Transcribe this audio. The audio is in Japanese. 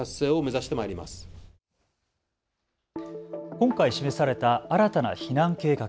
今回示された新たな避難計画。